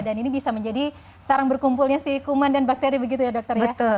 dan ini bisa menjadi sarang berkumpulnya si kuman dan bakteri begitu ya dokter ya